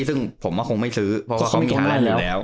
ซึ่งผมว่าคงไม่ซื้อเพราะว่าเขามีฐานะอยู่แล้ว